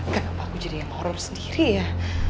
kenapa aku jadi yang horor sendiri ya